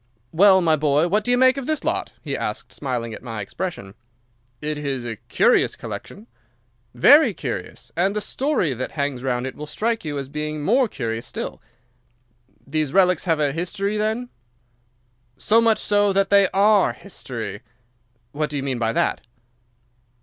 "Well, my boy, what do you make of this lot?" he asked, smiling at my expression. "It is a curious collection." "Very curious, and the story that hangs round it will strike you as being more curious still." "These relics have a history then?" "So much so that they are history." "What do you mean by that?"